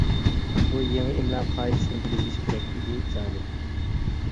بۇ يېڭى ئىملا قائىدىسىنى بىلىۋېلىش كېرەك ئىدى زادى.